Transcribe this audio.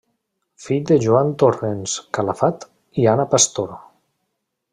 Fill de Joan Torrens Calafat i Anna Pastor.